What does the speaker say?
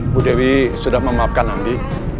bu dewi sudah memaafkan nanti